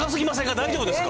大丈夫ですか？